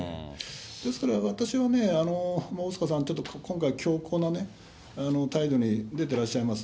ですから私は大坂さん、今回強硬なね、態度に出てらっしゃいます。